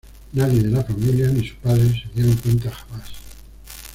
Nadie de la familia, ni su padre, se dieron cuenta jamás.